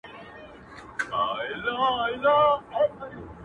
• وايی په ښار کي محتسب ګرځي -